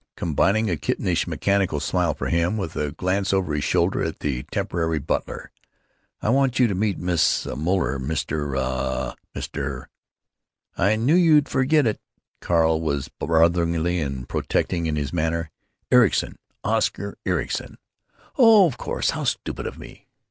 combining a kittenish mechanical smile for him with a glance over his shoulder at the temporary butler. "I want you to meet Miss Moeller, Mr.—uh—Mr——" "I knew you'd forget it!" Carl was brotherly and protecting in his manner. "Ericson, Oscar Ericson." "Oh, of course. How stupid of me!